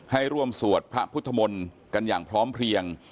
ให้ร่วมสวดพระพุทธมนตร์กันอย่างพร้อมเพลียง